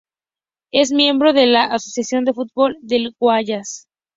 Es miembro de la Asociación de Fútbol del Guayas.